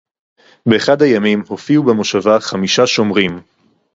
בְּאַחַד הַיָּמִים הוֹפִיעוּ בַּמּוֹשָׁבָה חֲמִשָּׁה שׁומְרִים